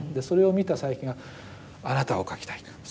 それを見た佐伯が「あなたを描きたい」と。